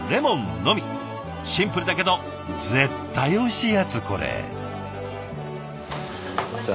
シンプルだけど絶対おいしいやつこれ。